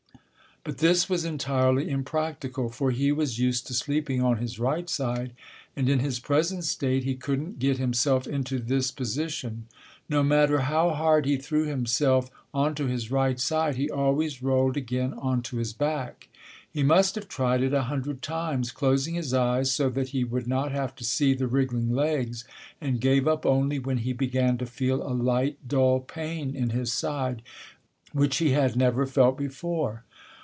But this was entirely impractical, for he was used to sleeping on his right side, and in his present state he couldn't get himself into this position. No matter how hard he threw himself onto his right side, he always rolled again onto his back. He must have tried it a hundred times, closing his eyes so that he would not have to see the wriggling legs, and gave up only when he began to feel a light, dull pain in his side which he had never felt before.